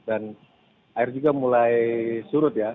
dan air juga mulai surut ya